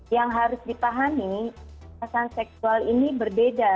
yang harus dipahami kekerasan seksual ini berbeda